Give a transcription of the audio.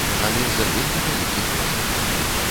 Але за вельмі вялікі кошт.